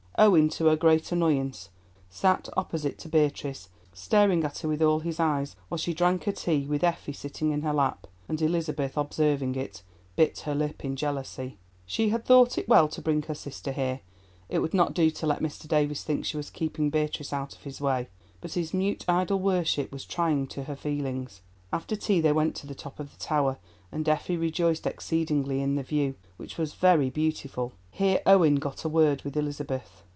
Owen, to her great annoyance, sat opposite to Beatrice, staring at her with all his eyes while she drank her tea, with Effie sitting in her lap, and Elizabeth, observing it, bit her lip in jealousy. She had thought it well to bring her sister here; it would not do to let Mr. Davies think she was keeping Beatrice out of his way, but his mute idol worship was trying to her feelings. After tea they went to the top of the tower, and Effie rejoiced exceedingly in the view, which was very beautiful. Here Owen got a word with Elizabeth.